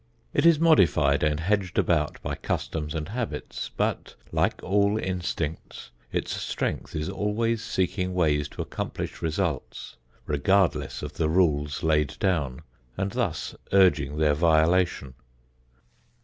It is modified and hedged about by customs and habits but, like all instincts, its strength is always seeking ways to accomplish results regardless of the rules laid down and thus urging their violation.